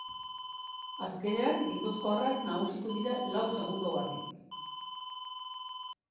Azkenean, gipuzkoarrak nagusitu dira, lau segundogatik.